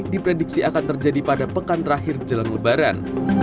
diprediksi akan terjadi pada pekan terakhir jelang lebaran